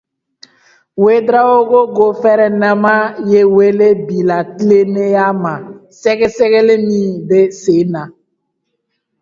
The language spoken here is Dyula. Ouédraogo gofɛrɛnaman ye wele bila tilennenya ma, sɛgɛsɛgɛli min bɛ senna.